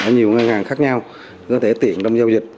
ở nhiều ngân hàng khác nhau có thể tiện trong giao dịch